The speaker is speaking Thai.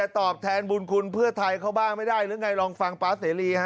ตอบแทนบุญคุณเพื่อไทยเขาบ้างไม่ได้หรือไงลองฟังป๊าเสรีฮะ